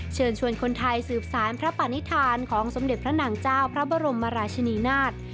เชิญชวนคนไทยสืบสารพระปณิธานของสมเด็จพระนางเจ้าพระบรมราชินีนาฏ